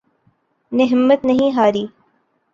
نے ہمت نہیں ہاری